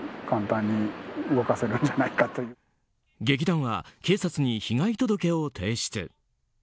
劇団は警察に被害届を提出。